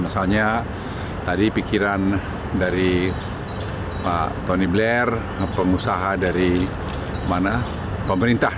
misalnya tadi pikiran dari pak tony blair pengusaha dari pemerintah